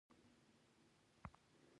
دوی د پردو پر درګاه شخوند وهونکي کسان دي.